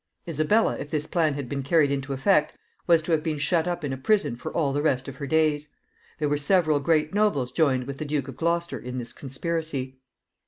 Isabella, if this plan had been carried into effect, was to have been shut up in a prison for all the rest of her days. There were several great nobles joined with the Duke of Gloucester in this conspiracy.